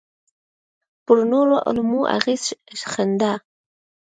پر نورو علومو اغېز ښنده.